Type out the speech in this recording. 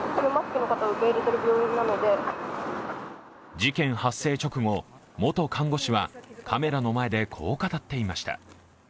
事件発生直後、元看護師はカメラの前でこう語っていました。